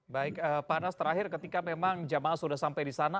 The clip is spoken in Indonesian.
baik pak anas terakhir ketika memang jamaah sudah sampai di sana